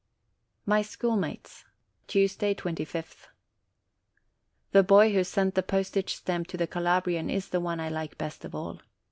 MY SCHOOLMATES Tuesday, 25th. The boy who sent the postage stamp to the Cala brian is the one I like best of all.